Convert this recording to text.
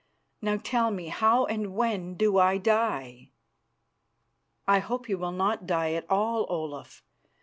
Now tell me, how and when do I die?" "I hope you will not die at all, Olaf.